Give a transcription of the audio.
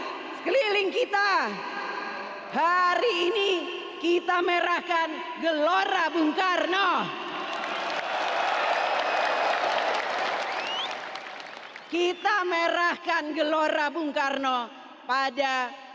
di sekeliling kita hari ini kita merahkan gelora bung karno kita merahkan gelora bung karno pada